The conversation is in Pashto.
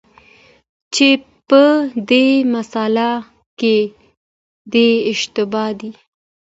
چي په دې مسأله کي دی اشتباه دی،